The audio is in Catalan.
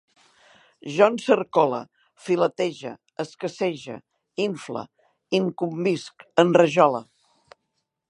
Jo encercole, filetege, escassege, infle, incumbisc, enrajole